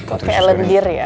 oke lebih dir ya